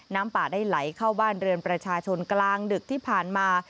น้ำป่าได้ไหลเข้าบ้านเรือนประชาชนกลางดึกที่ผ่านมา